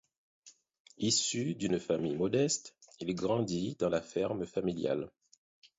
Issu d'une famille modeste, il grandit dans la ferme familiale.